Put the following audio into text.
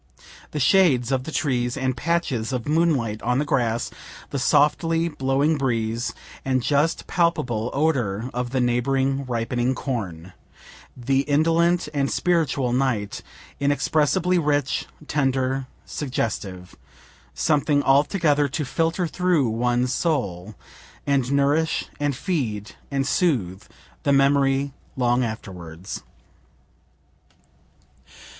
The shades of the trees, and patches of moonlight on the grass the softly blowing breeze, and just palpable odor of the neighboring ripening corn the indolent and spiritual night, inexpressibly rich, tender, suggestive something altogether to filter through one's soul, and nourish and feed and soothe the memory long afterwards.